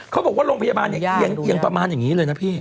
เขาบอกว่าโรงพยาบาลเนี่ยเอียงประมาณอย่างนี้เลยนะพี่